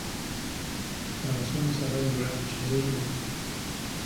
Abasomesa bajjula mu kizimbe.